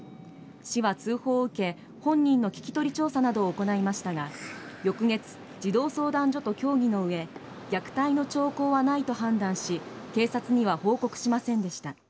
市は通報を受け本人の聞き取り調査などを行いましたが翌月、児童相談所と協議の上虐待の兆候はないと判断し警察には報告しませんでした。